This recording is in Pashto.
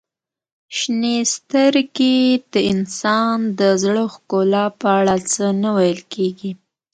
• شنې سترګې د انسان د زړه ښکلا په اړه څه نه ویل کیږي.